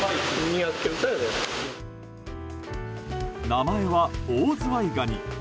名前はオオズワイガニ。